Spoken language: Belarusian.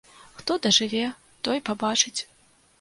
Хто дажыве, той пабачыць.